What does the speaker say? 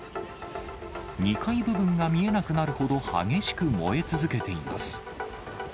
２階部分が見えなくなるほど激しく燃え続けています。